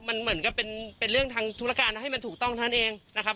มันเหมือนกับเป็นเรื่องทางธุรการให้มันถูกต้องเท่านั้นเองนะครับ